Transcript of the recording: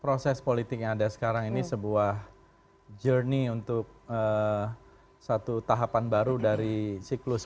proses politik yang ada sekarang ini sebuah journey untuk satu tahapan baru dari siklus